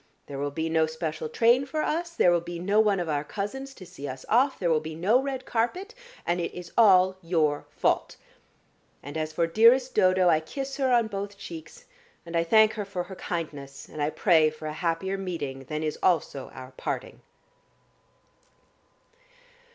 There will be no special train for us, there will be no one of our cousins to see us off, there will be no red carpet, and it is all your fault. And as for dearest Dodo, I kiss her on both cheeks, and I thank her for her kindness, and I pray for a happier meeting than is also our parting."